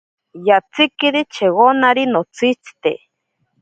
Yatsikiri chewonari notsitzite.